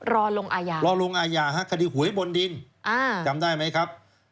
รอลงอาญารอลงอาญาฮะคดีหวยบนดินจำได้ไหมครับ